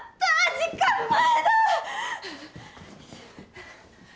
時間前だ！